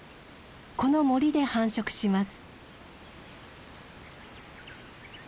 この森で繁殖します。